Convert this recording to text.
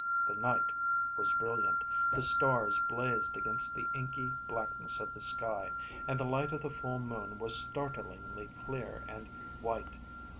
The night was brilliant. The stars blazed against the inky blackness of the sky, and the light of the full moon was startlingly clear and white.